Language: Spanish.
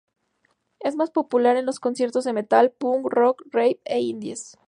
Es más popular en los conciertos de metal, punk, rock, rave e indies.